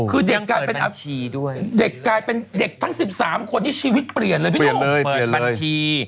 คือเด็กกลายเป็นเด็กทั้ง๑๓คนที่ชีวิตเปลี่ยนเลยไม่ต้องเปิดบัญชี